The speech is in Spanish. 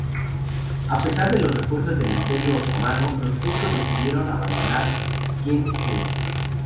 A pesar de los refuerzos del Imperio Otomano, los turcos decidieron abandonar Yeni-Kale.